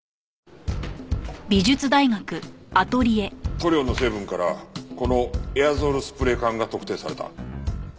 塗料の成分からこのエアゾールスプレー缶が特定された。